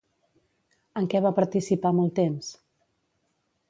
En què va participar molt temps?